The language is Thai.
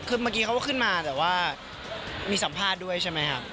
คือเมื่อกี้เขาก็ขึ้นมาแต่ว่ามีสัมภาษณ์ด้วยใช่ไหมครับ